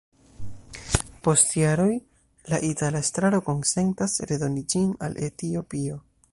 Post jaroj, la itala estraro konsentas redoni ĝin al Etiopio.